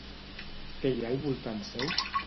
Què hi ha al voltant seu?